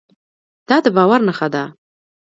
دا د باور نښه ده.